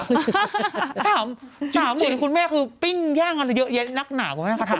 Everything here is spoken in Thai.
๓หมื่นคุณแม่คือปิ้งแย่งอันเยอะเย็นนักหนาวคุณแม่ค่ะ